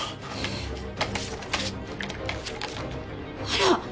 あら！？